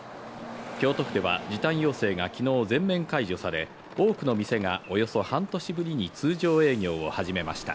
京都府では、時短要請がきのう、全面解除され、多くの店がおよそ半年ぶりに通常営業を始めました。